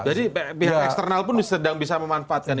jadi pihak eksternal pun sedang bisa memanfaatkan ini juga